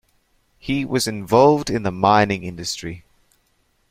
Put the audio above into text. He was involved in the mining industry.